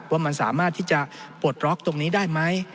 ว่ามันสามารถที่จะปลดล็อกตรงนี้ได้ไหม